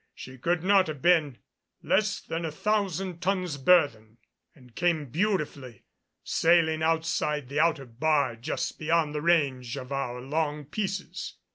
She could not have been less than a thousand tons burthen; and came beautifully, sailing outside the outer bar just beyond the range of our long pieces.